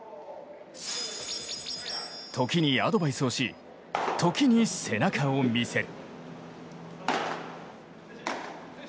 時にアドバイスをし時に背中を見せる。